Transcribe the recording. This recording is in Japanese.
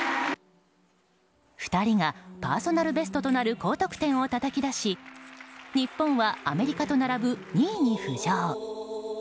２人がパーソナルベストとなる高得点をたたき出し日本はアメリカと並ぶ２位に浮上。